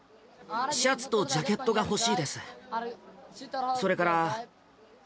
シャツとジャケットが欲しいです。